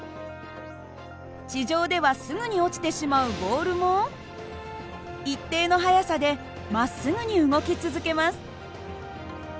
地上ではすぐに落ちてしまうボールも一定の速さでまっすぐに動き続けます。